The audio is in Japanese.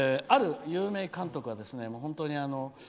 ある有名監督はですね